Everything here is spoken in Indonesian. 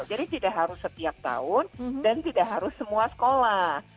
jadi tidak harus setiap tahun dan tidak harus semua sekolah